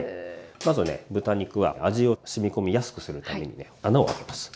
まずはね豚肉は味をしみ込みやすくするためにね穴を開けます。